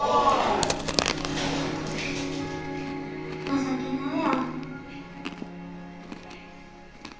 情けなや。